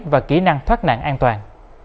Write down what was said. và kỹ năng thoát nạn an toàn